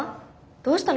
どうしたの？